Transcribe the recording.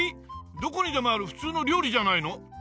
どこにでもある普通の料理じゃないの。